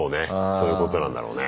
そういうことなんだろうね。